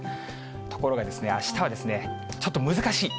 ところがですね、あしたはちょっと難しい。